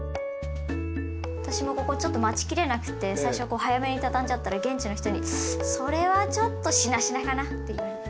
私もここちょっと待ちきれなくて最初こう早めに畳んじゃったら現地の人に「それはちょっとしなしなかな」って言われて。